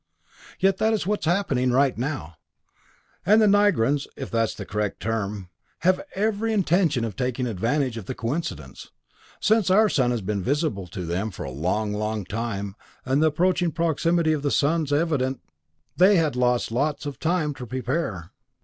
Yet that is what is happening right now. And the Nigrans if that's the correct term have every intention of taking advantage of the coincidence. Since our sun has been visible to them for a long, long time, and the approaching proximity of the suns evident, they had lots of time to prepare.